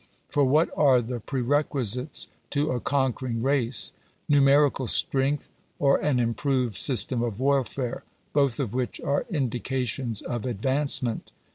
For what are the pre requisites to a conquering race? Numerical strength, or an improved system of warfare ; both of which are indications of advancement.